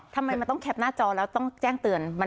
ทำไมมันต้องแคปหน้าจอแล้วต้องแจ้งเตือน